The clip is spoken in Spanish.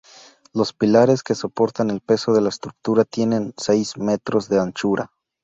Los pilares que soportan el peso de la estructura tienen seis metros de anchura.